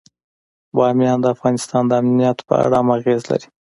بامیان د افغانستان د امنیت په اړه هم اغېز لري.